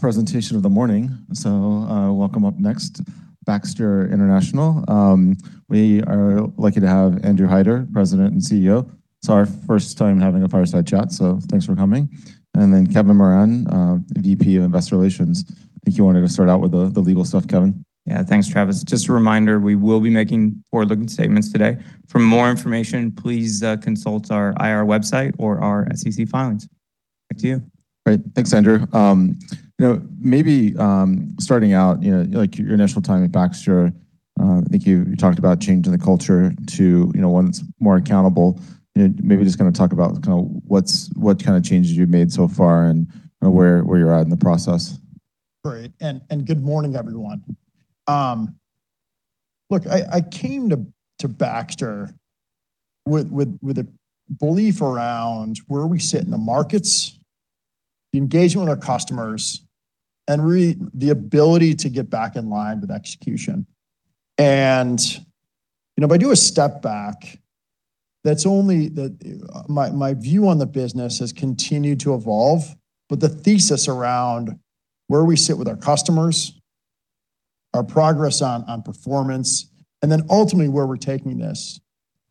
Presentation of the morning. Welcome up next, Baxter International. We are lucky to have Andrew Hider, President and CEO. It's our first time having a fireside chat, so thanks for coming. Kevin Moran, VP of Investor Relations. I think you wanted to start out with the legal stuff, Kevin. Yeah, thanks, Travis. Just a reminder, we will be making forward-looking statements today. For more information, please consult our IR website or our SEC filings. Back to you. Great. Thanks, Andrew. You know, maybe starting out, you know, like your initial time at Baxter, I think you talked about changing the culture to, you know, one that's more accountable. You know, maybe just kinda talk about what kind of changes you've made so far and, you know, where you're at in the process. Great. Good morning, everyone. Look, I came to Baxter with a belief around where we sit in the markets, the engagement with our customers, and the ability to get back in line with execution. You know, if I do a step back, that's only that my view on the business has continued to evolve, but the thesis around where we sit with our customers, our progress on performance, ultimately where we're taking this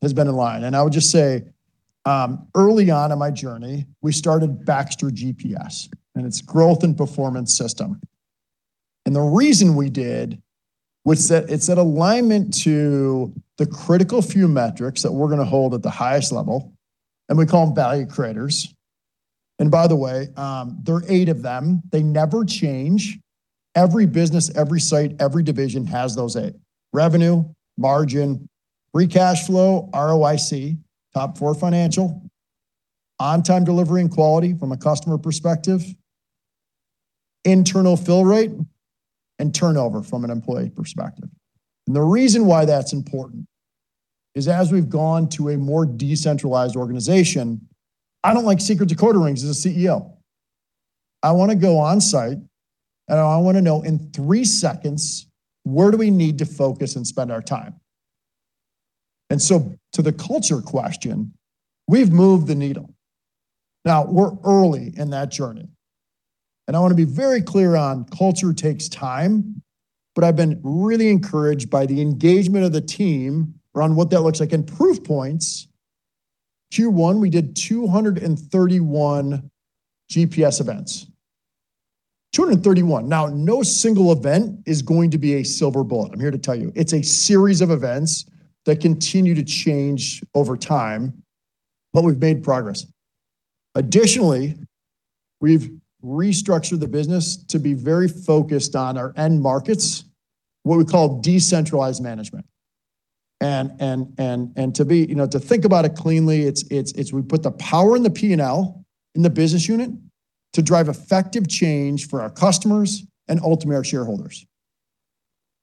has been in line. I would just say, early on in my journey, we started Baxter GPS, its Growth and Performance System. The reason we did was that it's an alignment to the critical few metrics that we're gonna hold at the highest level, we call them value creators. By the way, there are eight of them. They never change. Every business, every site, every division has those eight: revenue, margin, free cash flow, ROIC, top four financial, on-time delivery and quality from a customer perspective, internal fill rate, and turnover from an employee perspective. The reason why that's important is as we've gone to a more decentralized organization, I don't like secret decoder rings as a CEO. I wanna go on-site, and I wanna know in three seconds, where do we need to focus and spend our time? To the culture question, we've moved the needle. Now, we're early in that journey, and I wanna be very clear on culture takes time, but I've been really encouraged by the engagement of the team around what that looks like. Proof points, Q1, we did 231 GPS events. 231. No single event is going to be a silver bullet. I'm here to tell you, it's a series of events that continue to change over time, but we've made progress. Additionally, we've restructured the business to be very focused on our end markets, what we call decentralized management. To be, you know, to think about it cleanly, it's we put the power in the P&L in the business unit to drive effective change for our customers and ultimately our shareholders.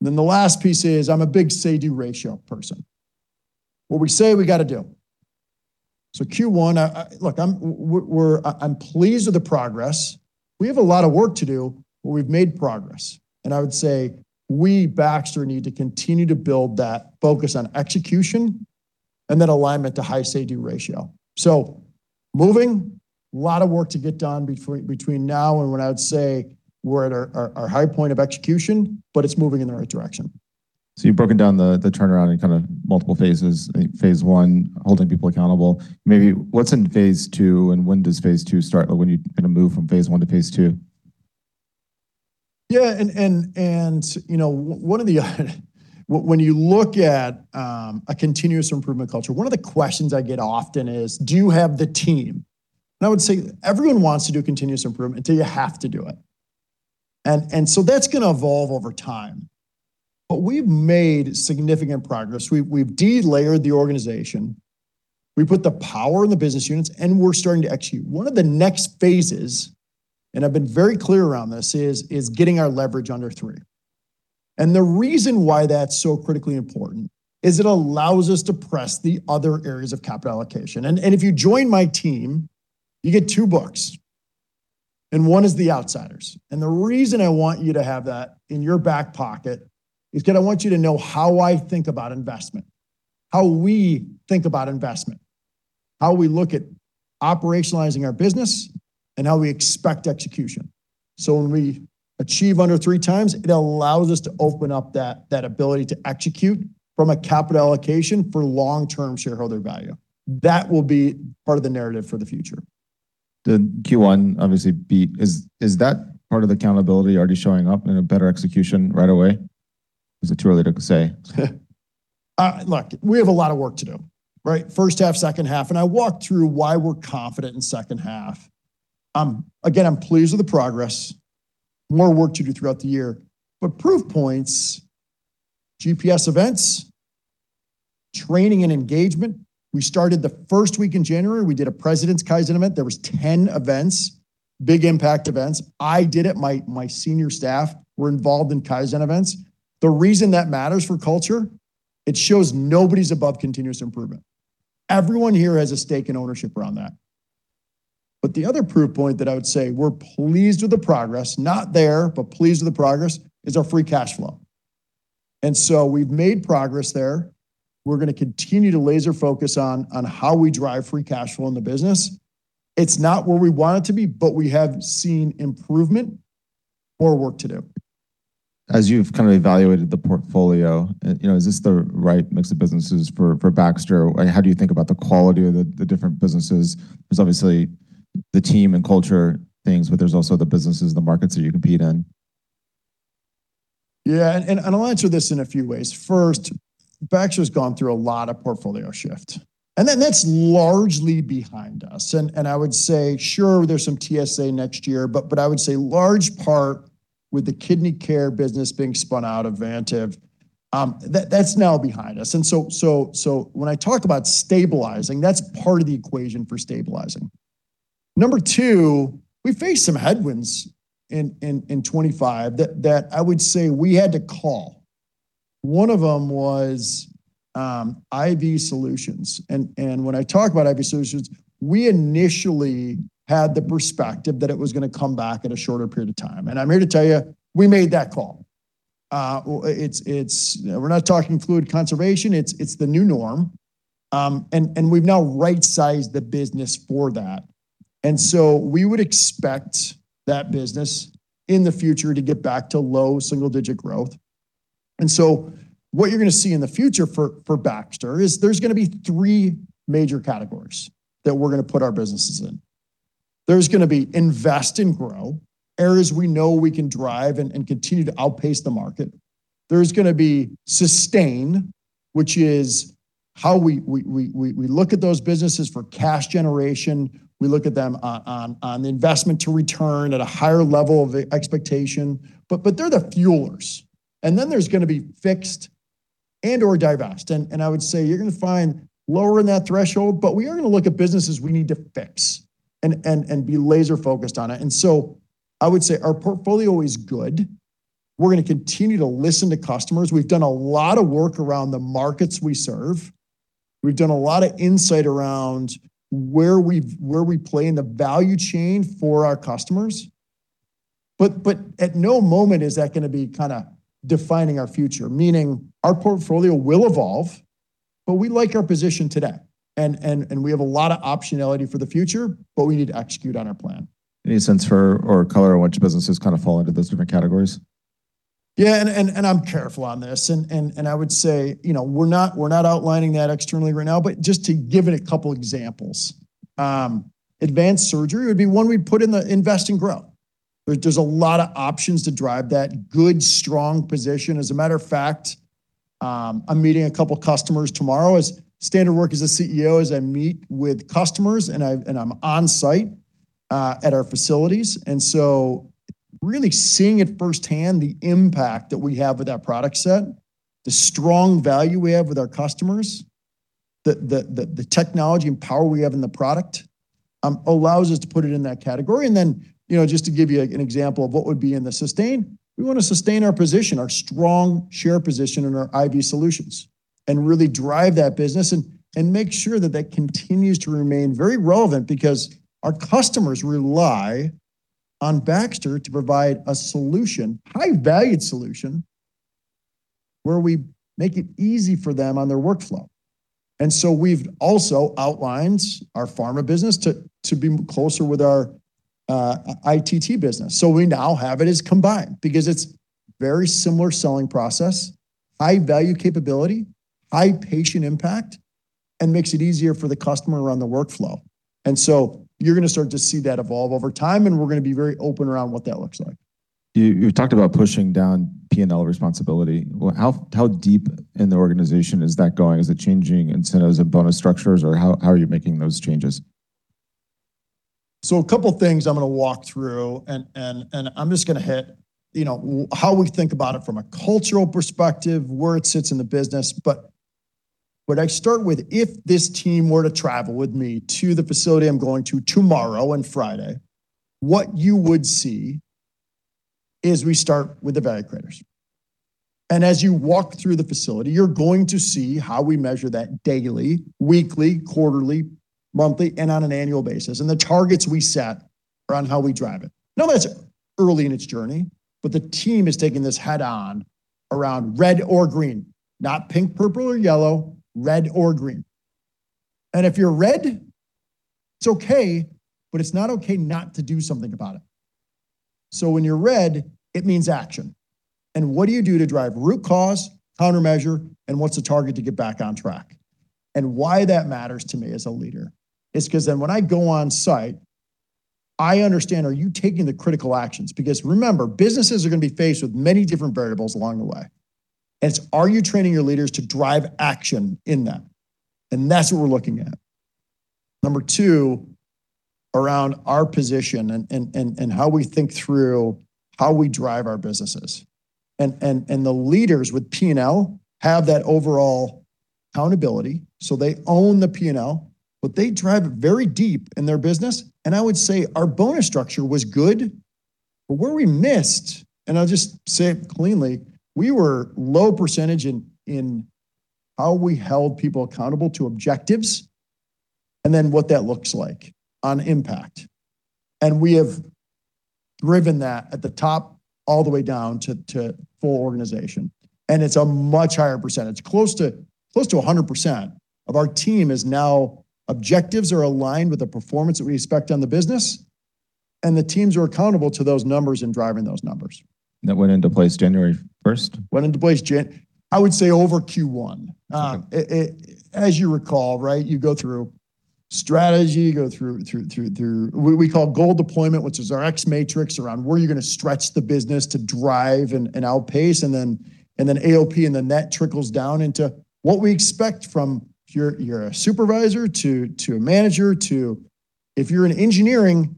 The last piece is I'm a big say-do ratio person. What we say, we gotta do. Q1, I'm pleased with the progress. We have a lot of work to do, but we've made progress. I would say we, Baxter, need to continue to build that focus on execution and then alignment to high say-do ratio. Moving, a lot of work to get done between now and when I would say we're at our high point of execution, but it's moving in the right direction. You've broken down the turnaround in kinda multiple phases. Phase I, holding people accountable. Maybe what's in phase II, and when does phase II start? When are you gonna move from phase I to phase II? You know, one of the when you look at a continuous improvement culture, one of the questions I get often is, do you have the team? I would say everyone wants to do continuous improvement until you have to do it. That's gonna evolve over time. We've made significant progress. We've delayered the organization. We put the power in the business units, and we're starting to execute. One of the next phases, and I've been very clear around this, is getting our leverage under three. The reason why that's so critically important is it allows us to press the other areas of capital allocation. If you join my team, you get two books, and one is The Outsiders. The reason I want you to have that in your back pocket is because I want you to know how I think about investment, how we think about investment, how we look at operationalizing our business, and how we expect execution. When we achieve under 3x, it allows us to open up that ability to execute from a capital allocation for long-term shareholder value. That will be part of the narrative for the future. The Q1 obviously beat. Is that part of the accountability already showing up in a better execution right away? Is it too early to say? Look, we have a lot of work to do, right? First half, second half, I walked through why we're confident in second half. Again, I'm pleased with the progress. More work to do throughout the year. Proof points, GPS events, training and engagement. We started the first week in January. We did a President's Kaizen event. There was 10 events, big impact events. I did it. My senior staff were involved in Kaizen events. The reason that matters for culture, it shows nobody's above continuous improvement. Everyone here has a stake in ownership around that. The other proof point that I would say we're pleased with the progress, not there, but pleased with the progress, is our free cash flow. We've made progress there. We're going to continue to laser focus on how we drive free cash flow in the business. It's not where we want it to be, but we have seen improvement. More work to do. As you've kind of evaluated the portfolio, you know, is this the right mix of businesses for Baxter? How do you think about the quality of the different businesses? There's obviously the team and culture things, but there's also the businesses and the markets that you compete in. I'll answer this in a few ways. First, Baxter's gone through a lot of portfolio shift, and that's largely behind us. I would say, sure, there's some TSA next year, but I would say large part with the kidney care business being spun out of Vantive, that's now behind us. When I talk about stabilizing, that's part of the equation for stabilizing. Number two, we faced some headwinds in 2025 that I would say we had to call. One of them was IV solutions. When I talk about IV solutions, we initially had the perspective that it was going to come back at a shorter period of time. I'm here to tell you, we made that call. It's, we're not talking fluid conservation, it's the new norm. We've now right-sized the business for that. We would expect that business in the future to get back to low single-digit growth. What you're going to see in the future for Baxter is there's going to be three major categories that we're going to put our businesses in. There's going to be invest and grow, areas we know we can drive and continue to outpace the market. There's going to be sustain, which is how we look at those businesses for cash generation. We look at them on investment to return at a higher level of expectation. They're the fuelers. There's going to be fixed and or divested. I would say you're going to find lower in that threshold, but we are going to look at businesses we need to fix and be laser focused on it. I would say our portfolio is good. We're going to continue to listen to customers. We've done a lot of work around the markets we serve. We've done a lot of insight around where we play in the value chain for our customers. But at no moment is that going to be kind of defining our future, meaning our portfolio will evolve, but we like our position today. And we have a lot of optionality for the future, but we need to execute on our plan. Any sense for or color which businesses kind of fall into those different categories? Yeah, I'm careful on this. I would say, you know, we're not outlining that externally right now, but just to give it a couple examples. Advanced Surgery would be one we'd put in the invest and grow. There's a lot of options to drive that good, strong position. As a matter of fact, I'm meeting a couple customers tomorrow. As standard work as a CEO is I meet with customers, and I'm on-site at our facilities. Really seeing it firsthand, the impact that we have with that product set, the strong value we have with our customers, the technology and power we have in the product, allows us to put it in that category. You know, just to give you an example of what would be in the sustain, we want to sustain our position, our strong share position in our IV solutions and really drive that business and make sure that that continues to remain very relevant because our customers rely on Baxter to provide a high-valued solution, where we make it easy for them on their workflow. We've also outlined our pharma business to be closer with our ITT business. We now have it as combined because it's very similar selling process, high-value capability, high patient impact, and makes it easier for the customer around the workflow. You're going to start to see that evolve over time, and we're going to be very open around what that looks like. You talked about pushing down P&L responsibility. Well, how deep in the organization is that going? Is it changing incentives and bonus structures, or how are you making those changes? A couple things I'm going to walk through, and I'm just going to hit, you know, how we think about it from a cultural perspective, where it sits in the business. What I start with, if this team were to travel with me to the facility I'm going to tomorrow and Friday, what you would see is we start with the value creators. As you walk through the facility, you're going to see how we measure that daily, weekly, quarterly, monthly, and on an annual basis, and the targets we set around how we drive it. That's early in its journey, but the team is taking this head on around red or green, not pink, purple, or yellow, red or green. If you're red, it's okay, but it's not okay not to do something about it. When you're red, it means action. What do you do to drive root cause, countermeasure, and what's the target to get back on track? Why that matters to me as a leader is 'cause then when I go on-site, I understand, are you taking the critical actions? Because remember, businesses are going to be faced with many different variables along the way. It's are you training your leaders to drive action in them? That's what we're looking at. Number two, around our position and how we think through how we drive our businesses. The leaders with P&L have that overall accountability, so they own the P&L, but they drive it very deep in their business. I would say our bonus structure was good, but where we missed, I'll just say it cleanly, we were low percentage in how we held people accountable to objectives and then what that looks like on impact. We have driven that at the top all the way down to full organization. It's a much higher percentage. Close to 100% of our team is now objectives are aligned with the performance that we expect on the business, and the teams are accountable to those numbers and driving those numbers. That went into place January 1st? Went into place January? I would say over Q1. It As you recall, right, you go through strategy, you go through goal deployment, which is our X matrix around where you're gonna stretch the business to drive and outpace, and then AOP, and then that trickles down into what we expect from your supervisor to a manager, to If you're in engineering,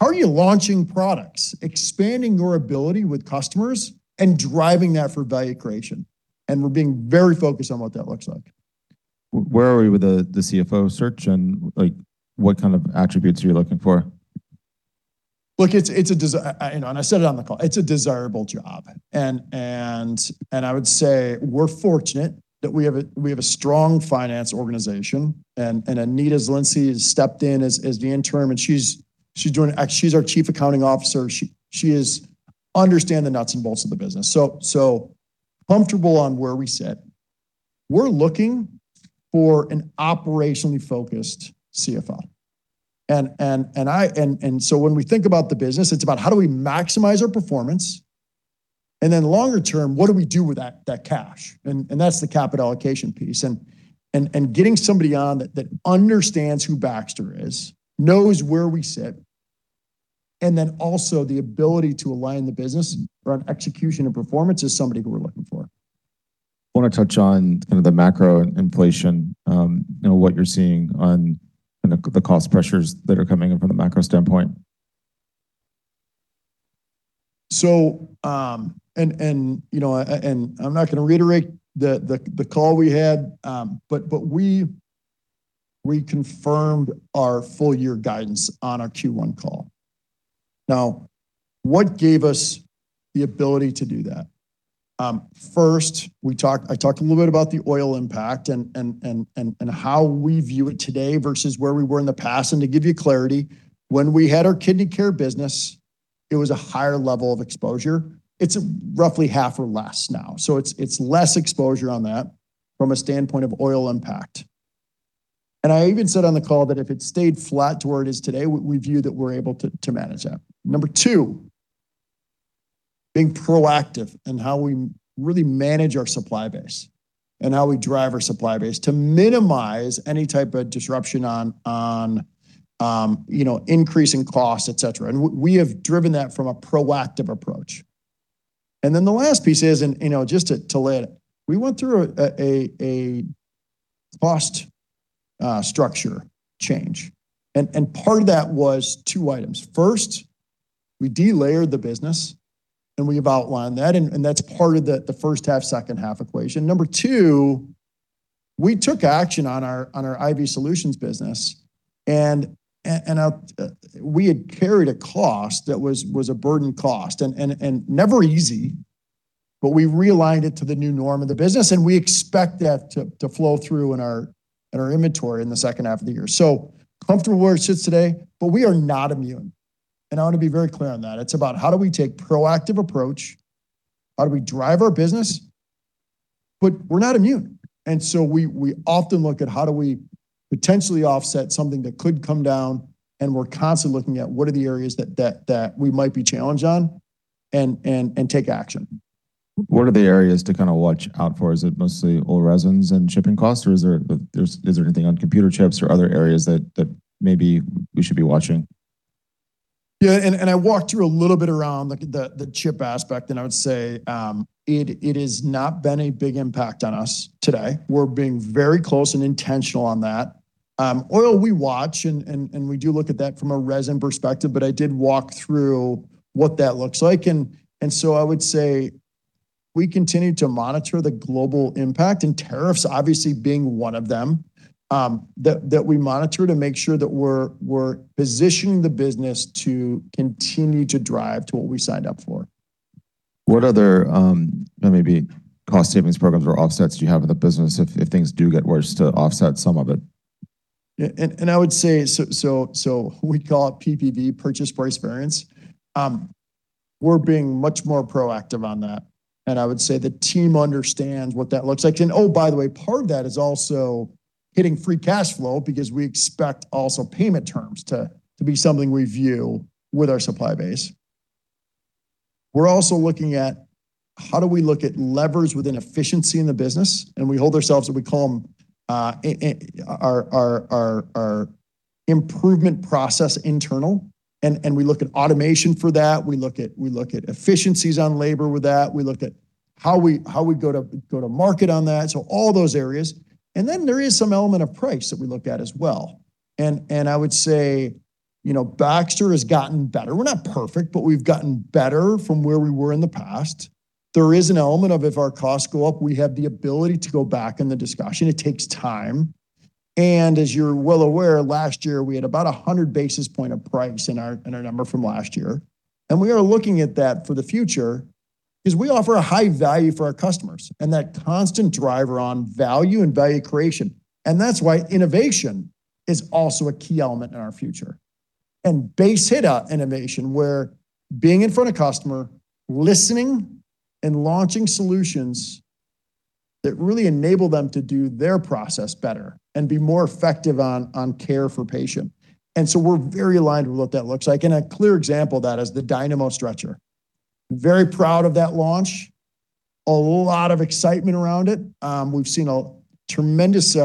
how are you launching products, expanding your ability with customers and driving that for value creation? We're being very focused on what that looks like. Where are we with the CFO search and, like, what kind of attributes are you looking for? Look, you know, I said it on the call, it's a desirable job. I would say we're fortunate that we have a strong finance organization and Anita Zielinski has stepped in as the interim, she's our Chief Accounting Officer. She understands the nuts and bolts of the business. So comfortable on where we sit. We're looking for an operationally focused CFO. When we think about the business, it's about how do we maximize our performance, then longer term, what do we do with that cash? That's the capital allocation piece. Getting somebody on that understands who Baxter is, knows where we sit, and then also the ability to align the business around execution and performance is somebody who we're looking for. Wanna touch on kind of the macro inflation, you know, what you're seeing on, you know, the cost pressures that are coming in from the macro standpoint. You know, I'm not gonna reiterate the call we had, but we reconfirmed our full year guidance on our Q1 call. What gave us the ability to do that? First, I talked a little bit about the oil impact and how we view it today versus where we were in the past. To give you clarity, when we had our kidney care business, it was a higher level of exposure. It's roughly half or less now. It's less exposure on that from a standpoint of oil impact. I even said on the call that if it stayed flat to where it is today, we view that we're able to manage that. Number two, being proactive in how we really manage our supply base and how we drive our supply base to minimize any type of disruption on, you know, increasing costs, et cetera. We have driven that from a proactive approach. The last piece is, you know, just to lay it, we went through a cost structure change. Part of that was two items. First, we delayered the business, we have outlined that, and that's part of the first half, second half equation. Number two, we took action on our IV solutions business. We had carried a cost that was a burden cost. Never easy, but we realigned it to the new norm of the business, and we expect that to flow through in our inventory in the second half of the year. Comfortable where it sits today, but we are not immune, and I want to be very clear on that. It's about how do we take proactive approach, how do we drive our business, but we're not immune. We often look at how do we potentially offset something that could come down, and we're constantly looking at what are the areas that we might be challenged on and take action. What are the areas to kind of watch out for? Is it mostly oil resins and shipping costs, or is there anything on computer chips or other areas that maybe we should be watching? Yeah, I walked through a little bit around like the chip aspect, and I would say, it has not been a big impact on us today. We're being very close and intentional on that. Oil, we watch and we do look at that from a resin perspective, but I did walk through what that looks like. I would say we continue to monitor the global impact, and tariffs obviously being one of them, that we monitor to make sure that we're positioning the business to continue to drive to what we signed up for. What other, maybe cost savings programs or offsets do you have in the business if things do get worse to offset some of it? I would say we call it PPV, purchase price variance. We're being much more proactive on that. I would say the team understands what that looks like. Oh, by the way, part of that is also hitting free cash flow because we expect also payment terms to be something we view with our supply base. We're also looking at how do we look at levers within efficiency in the business, and we hold ourselves, and we call them our improvement process internal. We look at automation for that. We look at efficiencies on labor with that. We look at how we go to market on that. All those areas. Then there is some element of price that we look at as well. I would say, you know, Baxter has gotten better. We're not perfect, but we've gotten better from where we were in the past. There is an element of if our costs go up, we have the ability to go back in the discussion. It takes time. As you're well aware, last year we had about 100 basis point of price in our, in our number from last year. We are looking at that for the future because we offer a high value for our customers, and that constant driver on value and value creation. That's why innovation is also a key element in our future. Base hit innovation, where being in front of customer, listening and launching solutions that really enable them to do their process better and be more effective on care for patient. We're very aligned with what that looks like. A clear example of that is the Dynamo Stretcher. Very proud of that launch. A lot of excitement around it. We've seen a tremendous, you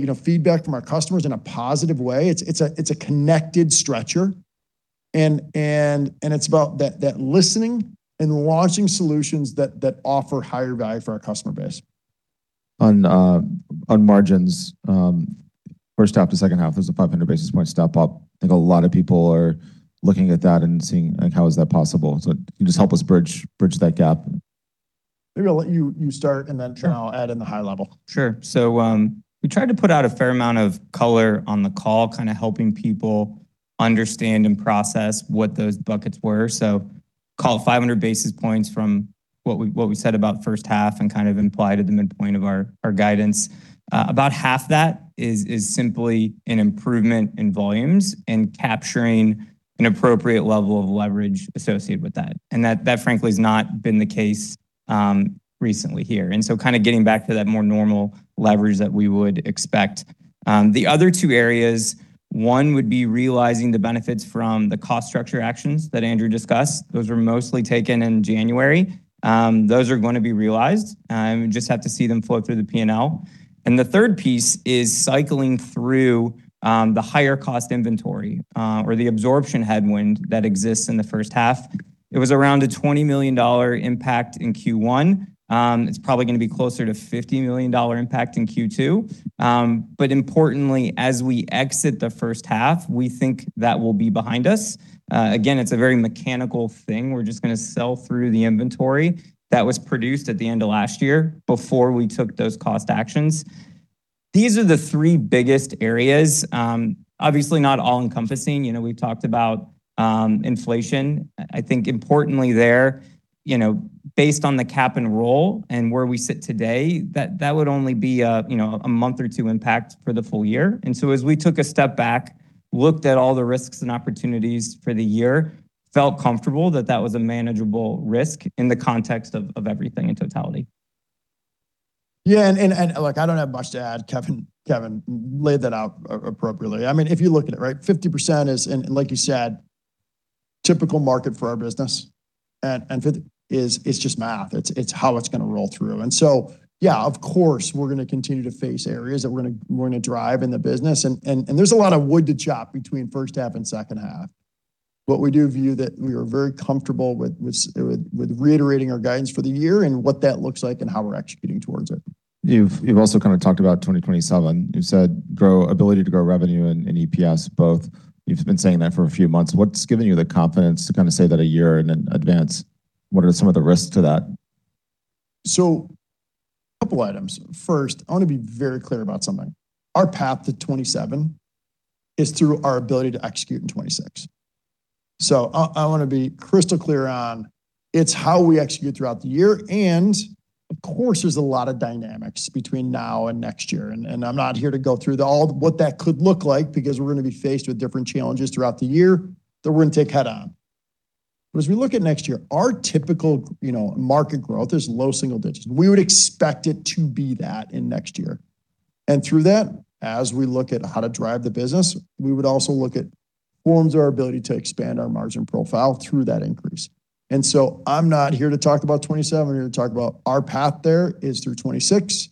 know, feedback from our customers in a positive way. It's a connected stretcher and it's about that listening and launching solutions that offer higher value for our customer base. On margins, first half to second half is a 500 basis point step up. I think a lot of people are looking at that and seeing, like, how is that possible? Can you just help us bridge that gap? Maybe I'll let you start, and then. Sure I'll add in the high level. Sure. We tried to put out a fair amount of color on the call, kind of helping people understand and process what those buckets were. Call it 500 basis points from what we said about first half and kind of imply to the midpoint of our guidance. About half that is simply an improvement in volumes and capturing an appropriate level of leverage associated with that. And that frankly has not been the case recently here. Kind of getting back to that more normal leverage that we would expect. The other two areas, one would be realizing the benefits from the cost structure actions that Andrew discussed. Those were mostly taken in January. Those are gonna be realized. Just have to see them flow through the P&L. The third piece is cycling through the higher cost inventory or the absorption headwind that exists in the first half. It was around a $20 million impact in Q1. It's probably gonna be closer to $50 million impact in Q2. Importantly, as we exit the first half, we think that will be behind us. Again, it's a very mechanical thing. We're just gonna sell through the inventory that was produced at the end of last year before we took those cost actions. These are the three biggest areas. Obviously not all-encompassing. You know, we've talked about inflation. I think importantly there, you know, based on the cap and roll and where we sit today, that would only be a, you know, a month or two impact for the full year. As we took a step back, looked at all the risks and opportunities for the year, felt comfortable that that was a manageable risk in the context of everything in totality. Yeah, and look, I don't have much to add. Kevin laid that out appropriately. I mean, if you look at it, right, 50% is, and like you said, typical market for our business and for the IVs, it's just math. It's how it's gonna roll through. So yeah, of course, we're gonna continue to face areas that we're gonna drive in the business and there's a lot of wood to chop between first half and second half. What we do view that we are very comfortable with reiterating our guidance for the year and what that looks like and how we're executing towards it. You've also kind of talked about 2027. You said ability to grow revenue and EPS both. You've been saying that for a few months. What's given you the confidence to kind of say that a year in advance? What are some of the risks to that? Couple items. First, I wanna be very clear about something. Our path to 2027 is through our ability to execute in 2026. I wanna be crystal clear on it's how we execute throughout the year, and of course, there's a lot of dynamics between now and next year. I'm not here to go through what that could look like because we're gonna be faced with different challenges throughout the year that we're gonna take head on. As we look at next year, our typical, you know, market growth is low single digits. We would expect it to be that in next year. Through that, as we look at how to drive the business, we would also look at forms of our ability to expand our margin profile through that increase. I'm not here to talk about 2027. We're gonna talk about our path there is through 2026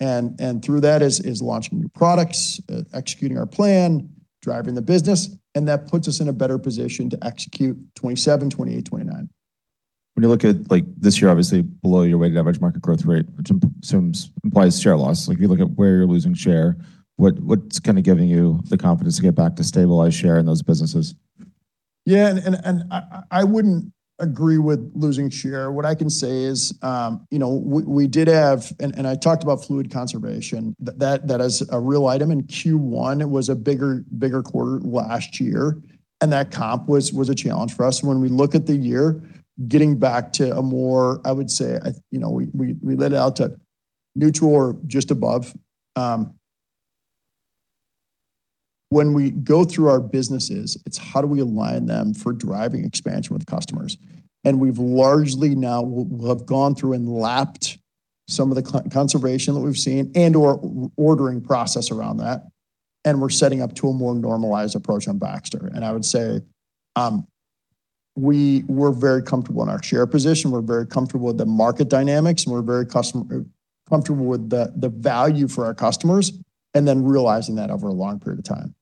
and through that is launching new products, executing our plan, driving the business, and that puts us in a better position to execute 2027, 2028, 2029. When you look at, like, this year, obviously below your weighted average market growth rate, which assumes, implies share loss. If you look at where you're losing share, what's kinda giving you the confidence to get back to stabilized share in those businesses? Yeah, I wouldn't agree with losing share. What I can say is, you know, we did have and I talked about fluid conservation. That is a real item. In Q1, it was a bigger quarter last year, and that comp was a challenge for us. When we look at the year, getting back to a more, I would say, you know, we laid it out to neutral or just above. When we go through our businesses, it's how do we align them for driving expansion with customers? We've largely now have gone through and lapped some of the conservation that we've seen and/or ordering process around that, and we're setting up to a more normalized approach on Baxter. I would say, we're very comfortable in our share position. We're very comfortable with the market dynamics, and we're very comfortable with the value for our customers and then realizing that over a long period of time.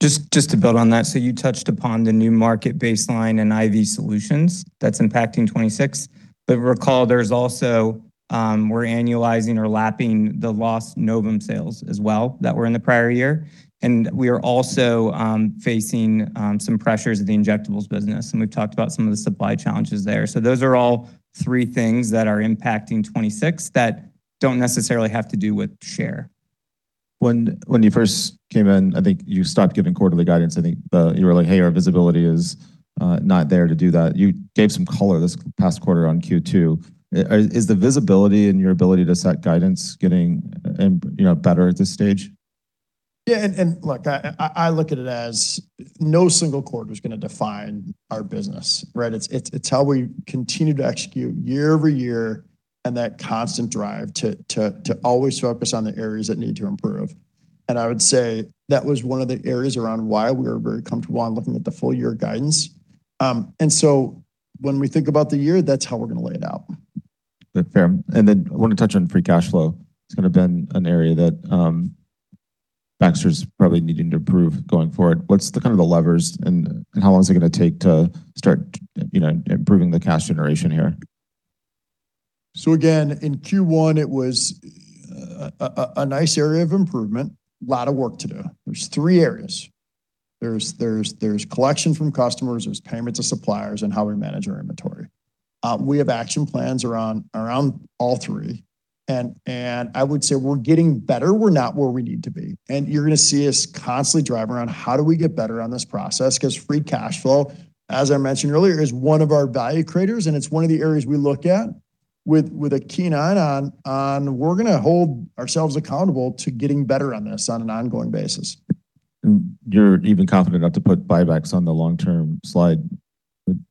To build on that, you touched upon the new market baseline and IV solutions that's impacting 2026. Recall, there's also, we're annualizing or lapping the lost Novum sales as well that were in the prior year, and we are also facing some pressures of the injectables business, and we've talked about some of the supply challenges there. Those are all three things that are impacting 2026 that don't necessarily have to do with share. When you first came in, I think you stopped giving quarterly guidance. I think you were like, "Hey, our visibility is not there to do that." You gave some color this past quarter on Q2. Is the visibility in your ability to set guidance getting, you know, better at this stage? Yeah, look, I look at it as no single quarter is going to define our business, right? It's how we continue to execute year-over-year, and that constant drive to always focus on the areas that need to improve. I would say that was one of the areas around why we were very comfortable on looking at the full year guidance. When we think about the year, that's how we're going to lay it out. Okay, fair. I wanna touch on free cash flow. It's kind of been an area that Baxter's probably needing to improve going forward. What's the kind of the levers and how long is it gonna take to start, you know, improving the cash generation here? Again, in Q1, it was a nice area of improvement. Lot of work to do. There's three areas. There's collection from customers, there's payments of suppliers, and how we manage our inventory. We have action plans around all three, and I would say we're getting better. We're not where we need to be. You're gonna see us constantly drive around how do we get better on this process? 'Cause free cash flow, as I mentioned earlier, is one of our value creators, and it's one of the areas we look at with a keen eye on we're gonna hold ourselves accountable to getting better on this on an ongoing basis. You're even confident enough to put buybacks on the long-term slide.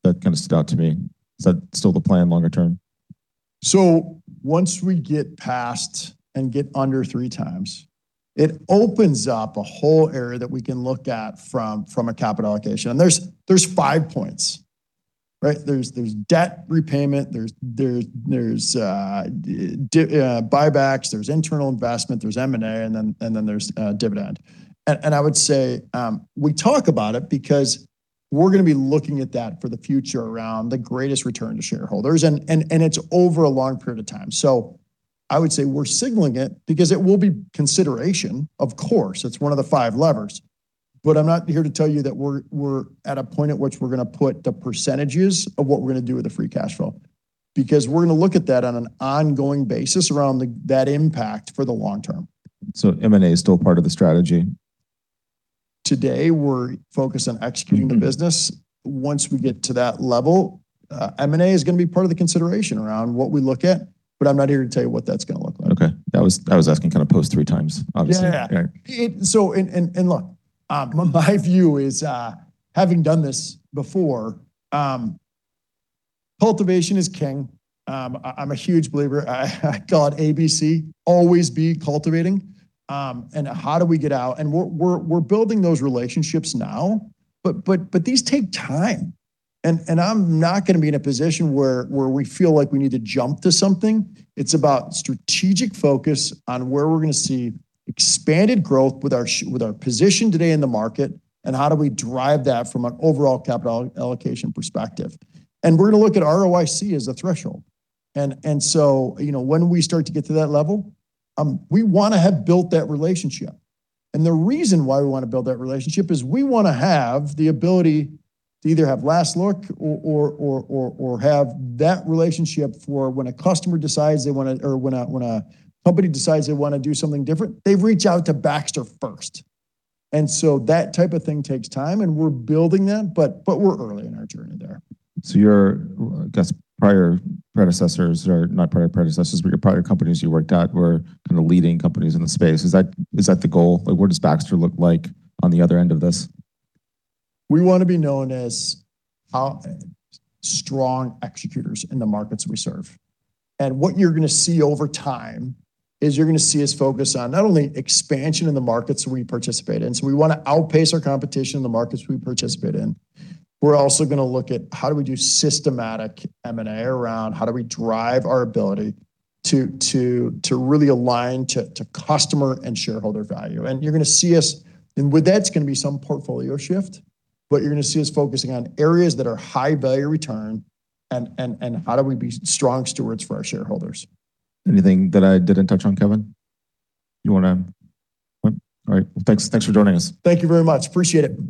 That kind of stood out to me. Is that still the plan longer term? Once we get past and get under 3x, it opens up a whole area that we can look at from a capital allocation. There's five points, right? There's debt repayments, there's buybacks, there's internal investment, there's M&A, and then there's dividend. And I would say, we talk about it because we're gonna be looking at that for the future around the greatest return to shareholders and it's over a long period of time. I would say we're signaling it because it will be consideration, of course. It's one of the five levers. I'm not here to tell you that we're at a point at which we're gonna put the percentages of what we're gonna do with the free cash flow, because we're gonna look at that on an ongoing basis around that impact for the long term. M&A is still part of the strategy? Today, we're focused on executing the business. Once we get to that level, M&A is gonna be part of the consideration around what we look at, but I'm not here to tell you what that's gonna look like. Okay. I was asking kind of post three times, obviously. Yeah, yeah. Right. Look, my view is, having done this before, cultivation is king. I'm a huge believer. I call it ABC, always be cultivating. How do we get out? We're building those relationships now, but these take time, and I'm not gonna be in a position where we feel like we need to jump to something. It's about strategic focus on where we're gonna see expanded growth with our position today in the market, and how do we drive that from an overall capital allocation perspective. We're gonna look at ROIC as a threshold. You know, when we start to get to that level, we wanna have built that relationship. The reason why we wanna build that relationship is we wanna have the ability to either have last look or have that relationship for when a company decides they wanna do something different, they reach out to Baxter first. That type of thing takes time, and we're building that, but we're early in our journey there. Your, I guess, prior predecessors or not prior predecessors, but your prior companies you worked at were kinda leading companies in the space. Is that, is that the goal? Like, what does Baxter look like on the other end of this? We wanna be known as strong executors in the markets we serve. What you're gonna see over time is you're gonna see us focus on not only expansion in the markets we participate in, so we wanna outpace our competition in the markets we participate in. We're also gonna look at how do we do systematic M&A around how do we drive our ability to really align to customer and shareholder value. With that's gonna be some portfolio shift, but you're gonna see us focusing on areas that are high value return and how do we be strong stewards for our shareholders. Anything that I didn't touch on, Kevin? You wanna What? All right. Thanks, thanks for joining us. Thank you very much. Appreciate it.